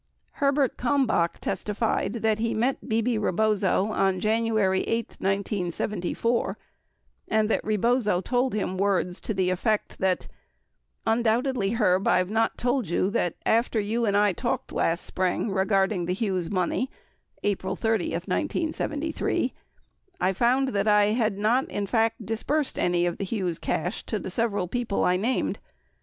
65 Herbert Kalmbach testified that he met Bebe Rebozo on January 8, 1974, and that Rebozo told him words to the effect that : Undoubtedly, Herb, I have not told you that after you and I talked last spring regarding the Hughes money [April 30, 1973] I found that I had not in fact disbursed any of the Hughes cash to the several people I named.